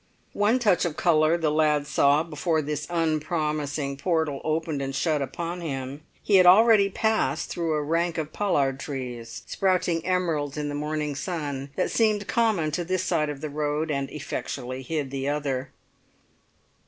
One touch of colour the lad saw before this unpromising portal opened and shut upon him: he had already passed through a rank of pollard trees, sprouting emeralds in the morning sun, that seemed common to this side of the road, and effectually hid the other.